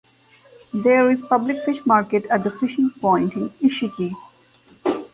There is a public fish market at the fishing port in Isshiki.